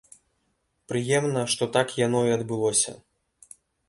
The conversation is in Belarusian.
Прыемна, што так яно і адбылося.